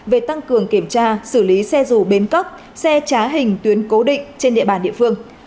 về tăng cường kiểm tra xử lý xe dù bến cóc xe trá hình tuyến cố định trên địa bàn địa phương